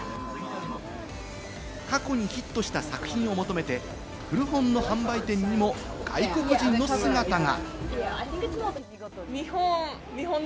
過去にヒットした作品を求めて、古本の販売店にも外国人の姿が。